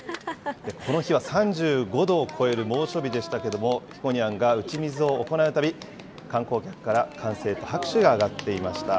この日は３５度を超える猛暑日でしたけれども、ひこにゃんが打ち水を行うたび、観光客から歓声と拍手が上がっていました。